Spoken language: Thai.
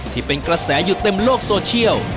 ที่เป็นกระแสอยู่เต็มโลกโซเชียล